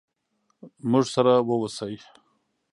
موږ سره ووسئ.